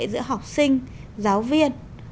giữa học sinh giáo viên